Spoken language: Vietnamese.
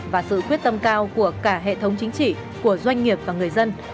và sự quyết tâm cao của cả hệ thống chính trị của doanh nghiệp và người dân